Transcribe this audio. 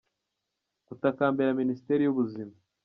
gutakambira Minisiteri y’Ubuzima.